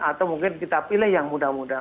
atau mungkin kita pilih yang mudah mudah